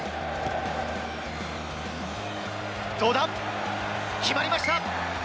どうだ、決まりました。